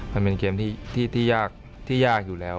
มันเป็นเกมที่ยากอยู่แล้ว